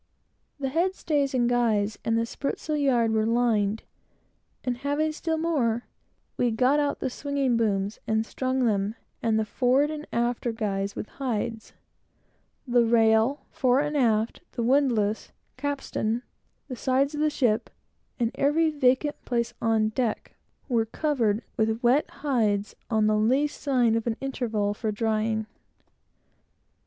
The head stays and guys, and the spritsail yard, were lined, and, having still more, we got out the swinging booms, and strung them and the forward and after guys, with hides. The rail, fore and aft, the windlass, capstan, the sides of the ship, and every vacant place on deck, were covered with wet hides, on the least sign of an interval for drying.